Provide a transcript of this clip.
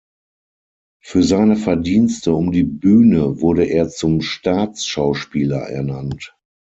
Für seine Verdienste um die Bühne wurde er zum Staatsschauspieler ernannt.